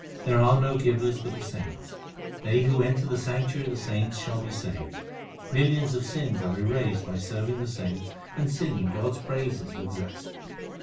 There are no givers but the saints. They who enter the sanctuary of the saints shall be saved. Millions of sins are erased by serving the saints and singing God s praises with zest.